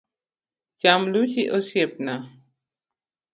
Cham luchi osiepna.